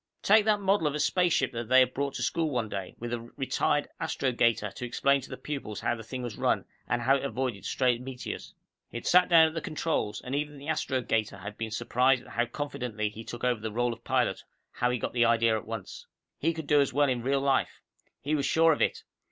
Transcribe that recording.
Take that model of a spaceship they had brought to school one day, with a retired astrogator to explain to the pupils how the thing was run, and how it avoided stray meteors. He had sat down at the controls, and even the astrogator had been surprised at how confidently he took over the role of pilot, how he got the idea at once. He could do as well in real life. He was sure of it.